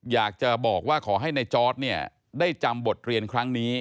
อยากจะบอกว่าขอให้ในจอร์ดเนี่ยได้จำบทเรียนครั้งนี้